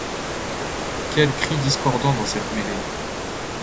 Quels cris discordants dans cette mêlée!